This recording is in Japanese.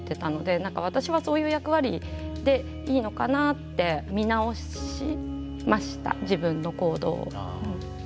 なんか私はそういう役割でいいのかなって見直しました自分の行動を。